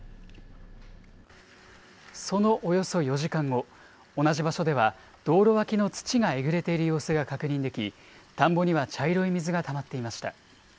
そのおよそ４時間後、同じ場所では道路脇の土がえぐれている様子が確認でき、田んぼには茶色い水がたまっていました。